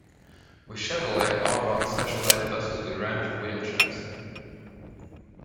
With Chevrolet Arboc specialized buses with ramps for wheel chairs.